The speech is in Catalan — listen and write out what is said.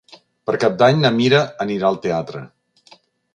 Per Cap d'Any na Mira anirà al teatre.